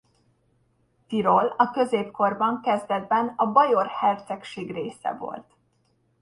Tirol a középkorban kezdetben a Bajor Hercegség része volt.